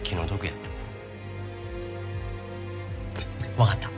わかった。